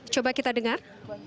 coba kita dengar